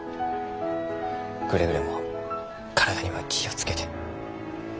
くれぐれも体には気を付けて。